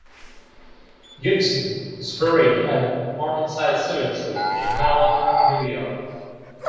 Gibson is buried at Morningside Cemetery in Malone, New York.